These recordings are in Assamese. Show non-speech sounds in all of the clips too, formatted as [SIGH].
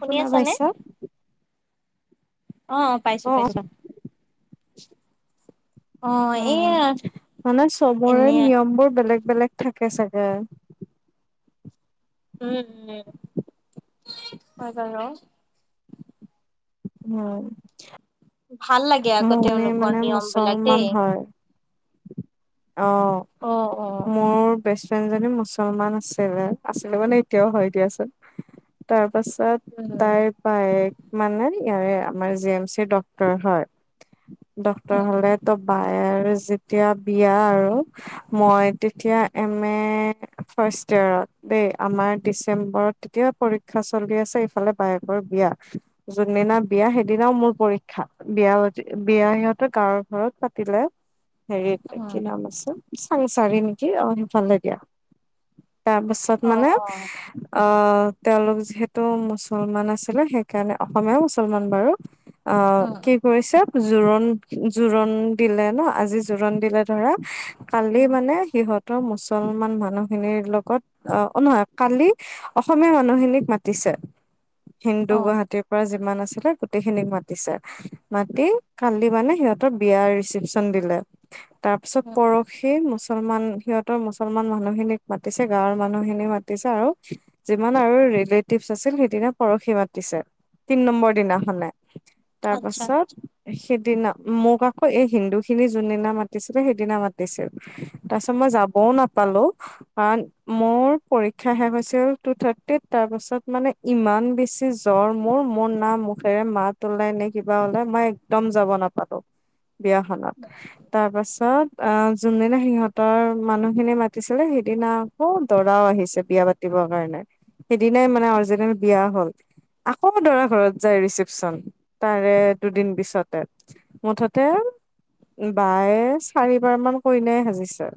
শুনি শুনা পাইছা? আহ', পাইছো অ অ পাইছো। অ', এইয়া অ', মানে এনে চবৰে নিয়ম বোৰ বেলেগ বেলেগ থাকে চাগে। উম', উম', হয় বাৰো। উম',। ভাল লাগে আকৌ মই তেওঁলোকৰ মানে নিয়ম বিলাক মুছলমান দেই। হয়' আহ',। অ', অ',। মোৰ বেষ্ট ফ্ৰেণ্ডজনী মুছলমান আছিলে, আছিলে মানে এতিয়াও হয় দিয়াচোন। তাৰপাছত উম, তাই বাইৰেক মানে ইয়াৰে আমাৰ জি এম চিৰ ডক্টৰ হয়। ডক্তৰ উম, হ'লে তো বাই আৰু যেতিয়া বিয়া আৰু মই তেতিয়া এম এ দেই আমাৰ ডিচেম্বৰত এতিয়া পৰীক্ষা চলি আছে, ইফালে বায়েকৰ বিয়া। যোনদিনা বিয়া সেইদিনাও মোৰ পৰীক্ষা। বিয়া বিয়া সিহঁতেৰ গাঁৱৰ ঘৰত পাতিলে, হেৰিত উম, কি নাম আছিল। চাংচাৰি নেকি অ' সিফালে দিয়া, তাৰপিছত অ', মানে অ', আহ তেওঁলোক যিহেতু মুছলমান আছিলে, সেইকাৰণে অসমীয়া মুছলমান বাৰু। অ', উম, কি কৰিছে জোৰোণ জোৰোণ দিলে ন' আজি জোৰোণ দিলে ধৰা কালি উম, মানে সিহঁতৰ মুছলমান মানুহ খিনিৰ লগত অ' নহয় কালি অসমীয়া মানুহখিনিক মাতিছে। অ'। হিন্দু গুৱাহাটীৰ পৰা যিমান আছিলে গোটেইখিনিক মাতিছে মাতি কালি মানে সিহঁতৰ বিয়াৰ ৰিচিপচন দিলে তাৰপিছত পৰ সেই মুছলমান সিহঁতৰ মুছলমান মানুহখিনিক মাতিছে, গাঁৱৰ মানুহখিনি মাত পিছে আৰু যিমান আৰু ৰেল টিপছ আছিল সেইদিনা পৰহি মাতিছে, তিন নম্বৰ দিনাখনে আচ্ছা। তাৰপাছত সিদিনা, মোক আকৌ এই হিন্দুখিনি যোনদিনা মাতিছিলে সেইদিনা মাতিছিল। তাৰপিছত মই যাবও নাপালোঁ। কাৰণ মোৰ পৰীক্ষা শেষ হৈছিল টু থাৰ্টিত তাৰপাছত মানে ইমান বেছি জ্বৰ মোৰ, মোৰ না মুখেৰে মাত ওলাই, নে কিবা ওলাই, মই একদম যাব নাপালোঁ বিয়াখনত, তাৰপাছত আ, যোনদিনা সিহঁতৰ মানুহখিনি মাতিছিলে সেইদিনা আকৌ দৰাও আহিছে বিয়া পাত দিবৰ কাৰণে, সেইদিনাই মানে অৰ্জিনেল বিয়া হ'ল। আকৌ দৰা ঘৰত যায় ৰিচেপচন, তাৰে দুদিন পিছত। তে মুঠতে বায়ে চাৰিবাৰ মান কইনাই সাজিছে।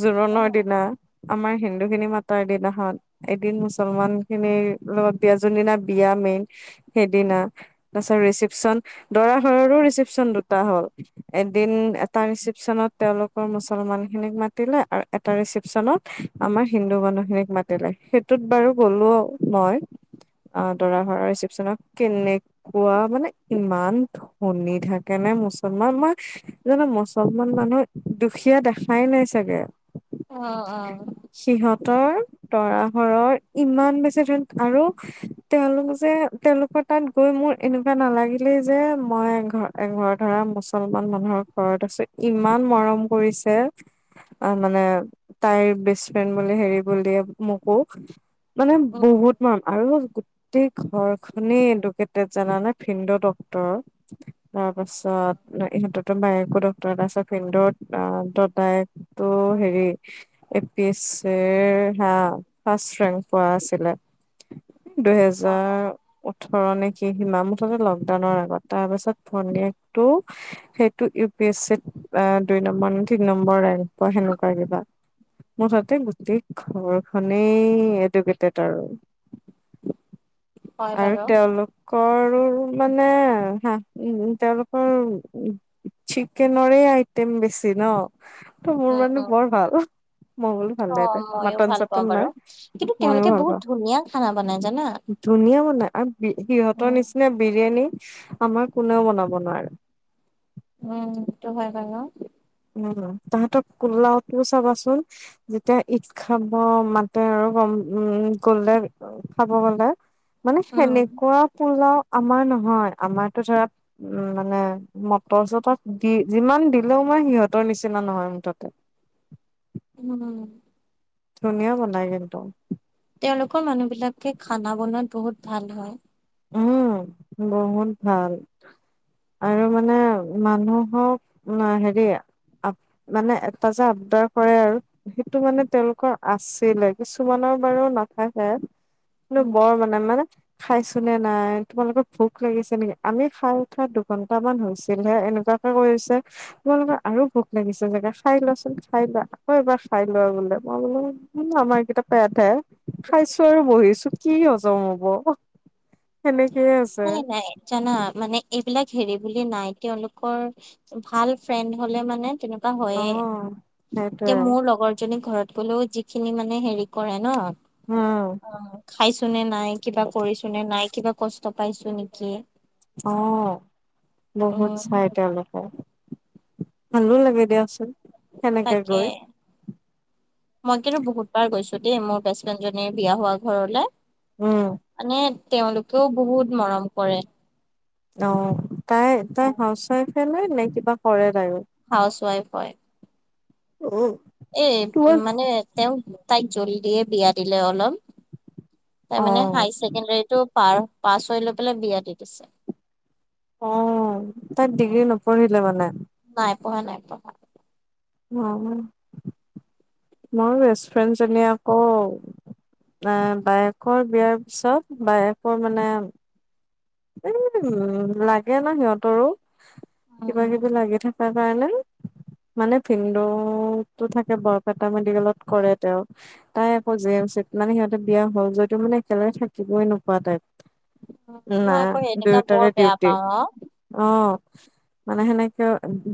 জোৰোণৰ অ', দিনা আমাৰ হিন্দুখিনি মাত তাৰ দিনাখন, এদিন মুছলমানখিনিৰ লগত, যোনদিনা বিয়া মেইন সেইদিনা, তাৰছত ৰিচিপচন দৰা ঘৰৰো ৰিচিপচন দুটা হ'ল, এদিন এটা ৰিচিপচনত তেওঁলোকৰ মুছলমানখিনিক মাতিলে আৰু এটা ৰিচিপচনত আমাৰ হিন্দু মানুহখিনিক মাত তিলে, সেইটোত বাৰু গ'লো মই। আ, দৰা ঘৰৰ ৰিচিপচনত কেনেকুৱা, মানে ইমান শুনি থাকেনে মুছলমান, মই জানো মুছলমান মানুহ দুখীয়া দেখাই নাই চাগে। অ', অ'। সিহঁতৰ দৰা ঘৰৰ ইমান বেছি ধুন আৰু তেওঁলোক যে তেওঁলোকৰ তাত গৈ মোৰ এনেকুৱা নালাগিলে যে মই এ-ঘৰ এঘৰ ধৰা মুছলমান মানুহৰ ঘৰত আছোঁ, ইমান মৰম কৰিছে। আ, মানে তাইৰ বেষ্ট ফ্ৰেণ্ড বুলি, হেৰি বুলিয়ে মোকো মানে উম, বহুত [UNINTELLIGIBLE] আৰু গোটেই ঘৰখনে এডুকেটেড জানানে, ভিন্দু ডক্তৰ। তাৰপাছত ইহঁতক বায়েকো ডক্টৰ তাৰপিছত ভিন্দুৰ দাদায়েকটো হেৰি এ পি এছ চিৰ হা, ফাষ্ট ৰেংক পোৱা আছিলে। অ', অ', দুহেজাৰ ওঠৰ নে কি, সিমা মুঠতে লকডাউনৰ আগত। তাৰপাছত ভনীয়েকটো সেইটো ইউ পি এছ চিত আ, দুই নম্বৰ, তিনি নম্বৰ ৰেংক সেনেকুৱা কিবা। মুঠতে গোটেই ঘৰখনেই এডুকেটেড আৰু। [INAUDIBLE] আৰু বাৰু। তেওঁলোকৰো মানে হা, উ, তেওঁলোকৰ চিকেনৰৰে আইটেম বেছি ন'। টো মোৰ উম, উম, মানুহ বৰ ভাল। মই বুলো ভাল অ', দেই, মইয়ো মাটন ভাল পাওঁ চটন বাৰু। নাই, কিন্তু ময়ো তেওঁলোকে ভাল বহুত পাওঁ। ধুনীয়া খানা বনাই জানা। ধুনীয়া বনাই আৰু সিহঁতৰ উম, নিচিনা বিৰিয়ানী আমাৰ কোনেও বনাব নোৱাৰে। উম, সেইটো হয় বাৰু। উ, তাহাঁতৰ কোল্লাওটো চাবাচোন? যেতিয়া, ঈদ খাব মাতে আৰু গ'ম, উম! গ'লে, খাব গ'লে। মানে, উম, সেনেকুৱা পোলাওঁ আমাৰ নহয়, আমাৰতো ধৰা, উম! মানে, মটৰ- চটৰ দি, যিমান দিলেও মই সিহঁতৰ নিচিনা নহয় মুঠতে। উম। ধুনীয়া বনাই কিন্তু। তেওঁলোকৰ মানুহবিলাকে, খানা বনোৱাত বহুত ভাল হয়! উম, বহুত ভাল! আৰু মানে, মানুহক আঁ সেৰি, আঁ মানে, এটা যে আব‌দাৰ কৰে আৰু। সেইটো মানে, তেওঁলোকৰ আছিলে। কিছুমানৰ বাৰু নাথাকে। কিন্তু উম। বৰ মানে। মানে, খাইছোঁ। [UNINTELLIGIBLE] নাই। তোমালোকৰ ভোক লাগিছে নেকি? আমি খাই উঠা, দুঘণ্টামান হৈছিল হে, এনেকুৱাকে কৰিছে। তোমালোকৰ আৰু ভোক লাগিছে চাগে! খাই লোৱাচোন খাই লোৱা। আকৌ এবাৰ খাই লোৱা বোলে। মই বোলোঁ, উম, আমাৰ কেইটা [UNINTELLIGIBLE] খাইছোঁ আৰু বহিছোঁ। কি হজম হ'ব! সেনেকেই আছে। নাই নাই জানা! মানে, এইবিলাক সেৰি বুলি, নাই তেওঁলোকৰ, ভাল ফ্ৰেণ্ড হ'লে মানে, তেনে কুৱা অ হৈয়ে। এতিয়া, সেইটোৱে মোৰ লগৰ জনী ঘৰত গ'লেও, যিখিনি মানে, সেৰি কৰে ন' উম অ'! খাইছোঁ নে নাই, কিবা কৰিছোঁ নে নাই, কিবা কষ্ট পাইছোঁ নেকি। অ'! বহুত উম চাই তেওঁলোকে। ভালো লাগে দিয়াচোন! সেনেকে তাকে! গৈ মই কিন্তু, বহুতবাৰ গৈছোঁ দেই, মোৰ বেষ্টফ্ৰেণ্ড জনীৰ বিয়া হোৱা ঘৰলে। উম, মানে, তেওঁলোকেও বহুত মৰম কৰে। অ'! তাই, তাই হাউচ ৱাইফে নে কিবা কৰে তাইও? হাউচ ৱাইফ হয়। ঔ! এই, মানে তেওঁক, তাইক জল্দিয়ে বিয়া দিলে, অলপ। তাৰমানে, অ', হাই ছেকেণ্ডাৰীটো পাৰ, পাছ হৈ লৈ পেলাই বিয়া দি দিছে। অ'! তাই ডিগ্ৰী নপঢ়িলে মানে? নাই পঢ়া, নাই পঢ়া। অ'! মোৰ বেষ্ট ফ্ৰেণ্ড জনীয়ে আকৌ, অ'! বায়েকৰ বিয়াৰ পিছত, বায়েকৰ মানে, এ, উম! লাগে ন' সিহঁতৰো। উম উম। কিবা-কিবি লাগি থাকে। তাৰ কাৰণে। মানে, ভিনদৌ ত' থাকে, বৰপেটা মেডিকেলত কৰে তেওঁ। তাই আকৌ, জে এম চিত। মানে, সিহঁতে বিয়া হ'ল যদিও মানে, একেলগে থাকিবই নোপোৱা টাইপ। না, মই আকৌ সেনেকা বৰ দুইটাৰে বেয়া ডিউটি। পাওঁ অ অ'! মানে সেনেকে,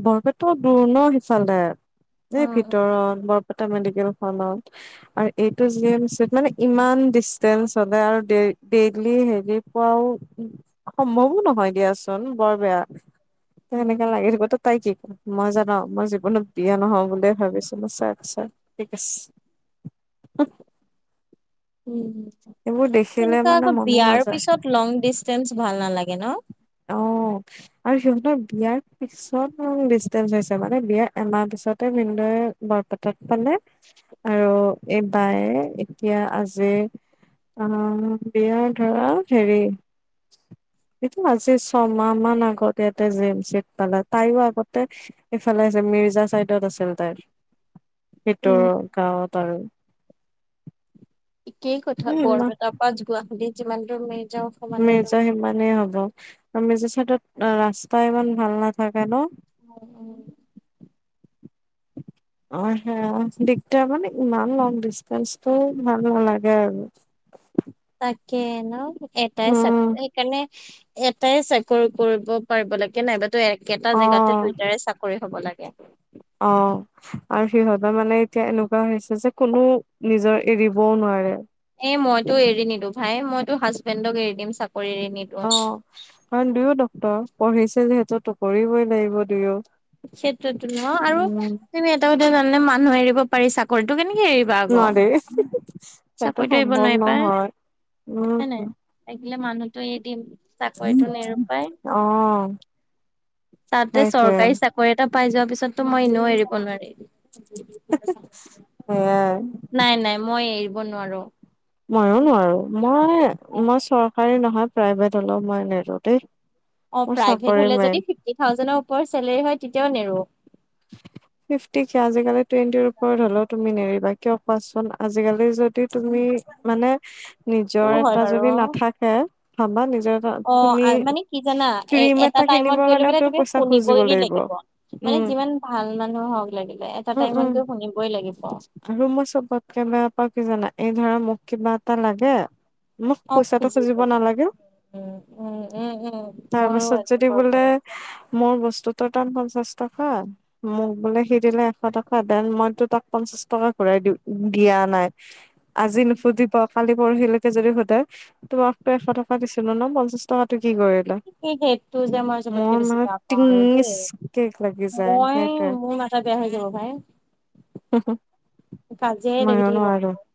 বৰপেটাও দূৰ ন' সিফালে। এই উম ভিতৰত, বৰপেটা মেডিকেল খনত। আৰু এইটো জিমচ মানে ইমান ডিষ্টেঞ্চ হলে আৰু ডেৰ ডেইলি হেৰি পোৱাও সম্ভৱো নহয় দিয়াচোন। বৰ বেয়া হে উম সেনেকা লাগি [UNINTELLIGIBLE] তাই কি কয়? মই জান' মই জীৱনত বিয়া নহ বুলিয়ে ভাবিছো। [UNINTELLIGIBLE] ঠিক আছ। এইবোৰ দেখিলে সেনেকুৱা মানে আকৌ মনে বিয়াৰ নাযায় পিছত লং ডিচটেন্স ভাল নালাগে ন? অ'। আৰু সিহঁতৰ বিয়াৰ পিছত [UNINTELLIGIBLE] ডিচটেন্স হৈছে মানে, বিয়া এমাহ পিছতে ভিনদেউয়ে বৰপেটাত পালে আৰু এ বায়ে এতিয়া আজিৰ অ', বিয়া ধৰা হেৰি এইটো আজি চম মাহ মান আগত ইয়াতে জি এম চিত পালে। তাইও আগতে ইফালে- মিৰ্জা চাইডট আছিল তাই ভিতৰ উম গাঁৱত আৰু। একেই কথা এ ইমান বৰপেটা পা গুৱাহাটী যিমান দূৰ মেৰি যাওঁ। সমানে দূৰ মিৰ্জা সিমানেই হ'ব। আও মিৰ্জা চাইডত আ ৰাস্তা ইমান ভাল নাথাকে ন? উম উম। অ সেয়া। দিকদাৰ মানে ইমান লং ডিষ্টেন্সটো ভাল নালাগে আৰু। তাকে ন এটাই চা- উম সেইকাণে এটাই চাকৰি কৰিব পাৰিব লাগে নাইবা তো এ কেটা অ জেগাতে দুইটাৰে চাকৰি হ'ব লাগে। অ। আৰু সিহঁত মানে এতিয়া এনেকুৱা হৈ আছে যে কোনো নিজৰ এৰিবও নোৱাৰে। এ মইতো এৰি নিদো ভাই। মইতো হাজবেণ্ডক এৰি দিম চাকৰি। [UNINTELLIGIBLE] অ কাৰণ দুয়ো ডক্তৰ। পঢ়িছে যিহেতু ত কৰিবই লাগিব দুয়ো। সেইটোৱেতো ন আৰু উম [UNINTELLIGIBLE] এটা কথা জানা নে মানুহ এৰিব পাৰি, চাকৰিটো কেনেকে এৰি বা আকৌ। নোৱাৰি সেইটো চাকৰিটো এৰিব সম্ভৱ নোৱাৰি পাই, নহয় হয় নাই? উম লাগিলে মানুহটো এৰি দিম। চাকৰিটো নেৰোপায়। অ তাতে সেইটোৱে চৰকাৰি চাক কৰি এটা পাই যোৱা পিছততো মই এনেও এৰিব নোৱাৰি। [UNINTELLIGIBLE] নাই নাই মই এৰিব নোৱাৰো। মইয়ো নোৱাৰো। মই অ মই চৰকাৰী নহয় প্ৰাইভেট হ'লও মই নেৰো। [UNINTELLIGIBLE] মোৰ চাকৰি মেইন। [UNINTELLIGIBLE] থাউজেন ওপৰ চেলেৰি হয়, তেতিয়াও নেৰো। [INAUDIBLE] ফিফটি কে আজিকালি টুৱেণ্টিৰ ওপৰত হ'লও তুমি নেৰিবা, কিয় কোৱাচোন? আজিকালি যদি তুমি মানে টো নিজৰ হয় এটা বাৰু যদি নাথাকে। ভাবা নিজৰ এটা অ তুমি আৰ মানে কি জানা? এ ক্ৰীম এটা টাইমত কিনিবৰ গৈ লৈ কাৰণেও পেলাই তুমি পইচা খুজিব শুনিবই গে লাগিব। মানে উম। যিমান ভাল মানুহ হওঁক লাগিলে এটা উম উম টাইমতটো শুনিবই লাগিব। আৰু মই চবতকে বেয়া পাওঁ কি জানা? এই ধৰা মোক কিবা এটা লাগে। মোক অ পইচাটো খুজি খুজিব পেলাই নালাগে। উম উম উম উম তাৰ মোৰো পাছত এইটো যদি বোলে প্ৰব্লেম আছে মোৰ বস্তুতোৰ দাম পঞ্চাশ টকা। মোক বোলে সি দিলে এশ টকা, দেন মইতো তাক পঞ্চাশ টকা ঘূৰাই দি দিয়া নাই। [INAUDIBLE] আজি নুসুধিব। কালি পৰহিলৈকে যদি সোধে, তোমাকতো এশ টকা দিছিলো ন, পঞ্চাশ টকাটো কি কৰিল? এ সেইটো যে মই চবতকে বেছি বেয়া পাওঁ আৰু দেই। টিঙিচকেক লাগি যায় মই সেই সেইটোৱে মোৰ মাঠা বেয়া হৈ যাব ভাই। কাজিয়াই লাগি মইও থাকিব নোৱাৰো মোৰ লগত।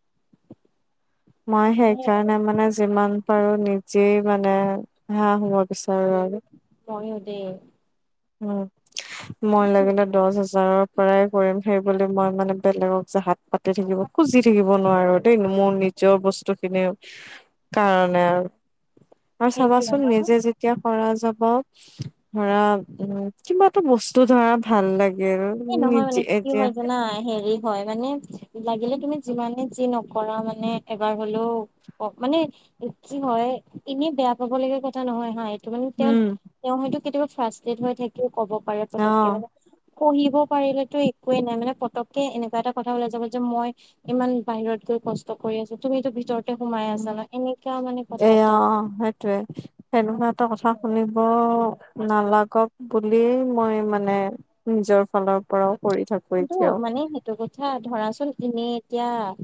মই সেই কাৰণে মানে- যিমান পাৰো নিজেই মানে সেয়া হ'ব বিচাৰো আৰু। ময়ো দে। উমঁ' মই লাগিলে দহ হাজা ৰৰ পৰাই কৰিম, সেই বুলি মই মানে বেলেগক যে হাত পাতি থাকিব খুজি থাকিব নোৱাৰো দেই মোৰ নি জৰ বস্তু খিনি কাৰণে আৰু। আৰু সেইটোৱে চাবাচোন ন নিজে যেতিয়া কৰা যাব ধৰা- উমঁ' কিবা এটা বস্তু ধৰা- ভাল লাগে আৰু। এই নহয় মানে কি হয় জানা হেৰি হয় মানে- লাগিলে তুমি যিমানে যি নকৰা মানে এবাৰ হ'লেও- অ' মানে কি হয় এনেই বেয়া পাবলগীয়া কথা নহয় হা- সেইটো মানে উম তেওঁ-তেওঁ হয়তো কেতিয়াবা ফ্ৰাষ্ট্ৰেট হৈ থাকিও ক'ব পাৰে অ পতককে মানে। সহিব পাৰিলেতো একোৱে নাই মানে পতককে এনেকুৱা এটা কথা ওলাই যাব যে মই- ইমান বাহিৰত গৈ কষ্ট কৰি আছোঁ, তুমিতো ভিতৰতে সোমাই আছা ন' এনেকুৱা মানে কথা এটা। টোয়ে, সেনেকুৱা এটা কথা শুনিব নালাগক- বুলিয়ে মই মানে নিজৰ ফালৰ কৰি থাকো। কিন্তু এতিয়াও মানে সেইটো কথা ধৰাচোন এনেই এতিয়া-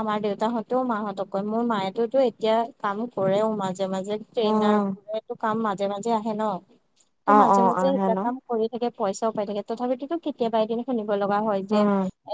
আমাৰ দেউতাহঁতেও মাহঁতক কয় মোৰ মায়েতোতো এতিয়া কাম কৰেও মা মাজে মাজে ট্ৰেইনাৰ উম বোৰেটো কাম মাজে মাজে আহে ন' ত' অ অ মাজে মাজে সেই আহে বিলাক ন কাম- চলি থাকে পইচাও পাই থাকে, তথাপিতো কেতিয়াবা এদিন শুনিব লগা হয় যে। উম